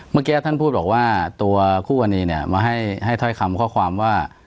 เมื่อกี้ท่านพูดบอกว่าตัวคู่กรณีเนี่ยมาให้ถ้อยคำข้อความว่า